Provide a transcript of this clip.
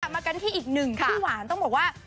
มากันที่อีกหนึ่งคู่หวานต้องบอกว่า